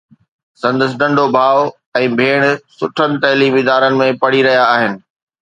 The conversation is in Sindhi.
سندس ننڍو ڀاءُ ۽ ڀيڻ سٺن تعليمي ادارن ۾ پڙهي رهيا آهن.